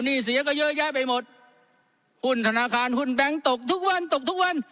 เสียก็เยอะแยะไปหมดหุ้นธนาคารหุ้นแบงค์ตกทุกวันตกทุกวัน